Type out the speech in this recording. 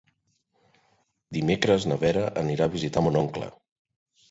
Dimecres na Vera anirà a visitar mon oncle.